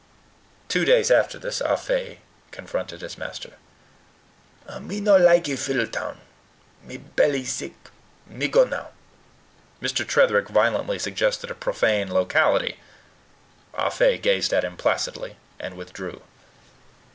Two days after this, Ah Fe confronted his master. "Me no likee Fiddletown. Me belly sick. Me go now." Mr. Tretherick violently suggested a profane locality. Ah Fe gazed at him placidly, and withdrew.